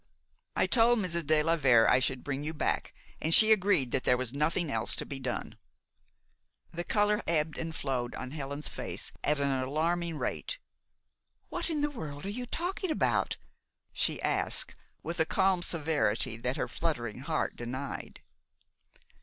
I told Mrs. de la Vere I should bring you back, and she agreed that there was nothing else to be done." The color ebbed and flowed on Helen's face at an alarming rate. "What in the world are you talking about?" she asked, with a calm severity that her fluttering heart denied.